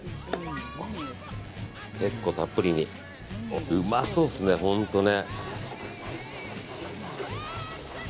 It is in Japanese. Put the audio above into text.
結構たっぷりに。うまそうですね、本当ね。